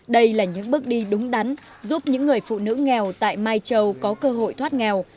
đây là những bước đi đúng đắn giúp những người phụ nữ nghèo tại mai châu có cơ hội thoát nghèo